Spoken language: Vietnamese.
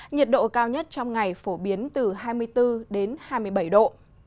nhiệt độ cao nhất trong ngày phổ biến từ hai mươi bốn đến hai mươi bảy độ